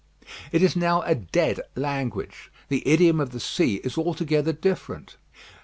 It is now a dead language. The idiom of the sea is altogether different.